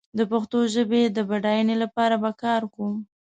د پښتو ژبې د بډايينې لپاره به کار کوم